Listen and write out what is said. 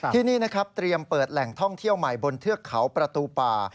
ที่นี่นะครับเตรียมเปิดแหล่งท่องเที่ยวใหม่บนเทือกเขาประตูป่า